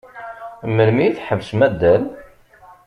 Melmi i tḥebsem addal?